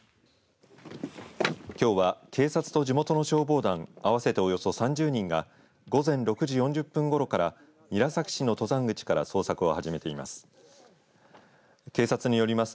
きょうは警察と地元の消防団合わせておよそ３０人が午前６時４０分ごろから韮崎市の登山口から捜索を始めています。